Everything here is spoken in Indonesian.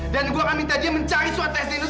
dan gua akan minta dia mencari suatu tes denger dari lu